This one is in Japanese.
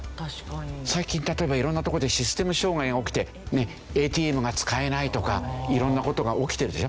最近例えばいろんなとこでシステム障害が起きてＡＴＭが使えないとかいろんな事が起きてるでしょ。